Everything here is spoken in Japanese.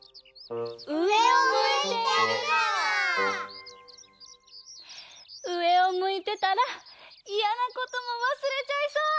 うえをむいてたらいやなこともわすれちゃいそう！